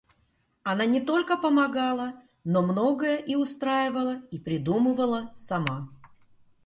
Она не только помогала, но многое и устраивала и придумывала сама.